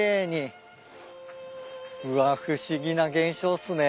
うわ不思議な現象っすね。